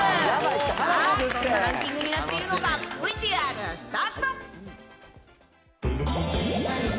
さあどんなランキングになっているのか、ＶＴＲスタート。